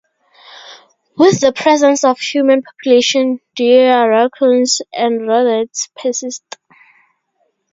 With the presence of human population, deer, raccoons and rodents persist.